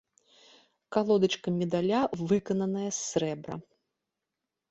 Калодачка медаля выкананая з срэбра.